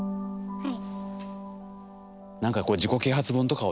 はい。